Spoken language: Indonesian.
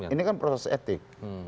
ini kan proses etik